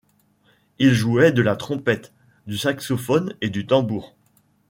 Il jouait de la trompette, du saxophone et du tambour.